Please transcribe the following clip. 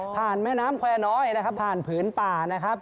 แม่น้ำแควร์น้อยนะครับผ่านผืนป่านะครับ